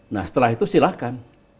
nah setelah itu silakan